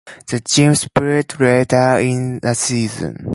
The team split later in the season.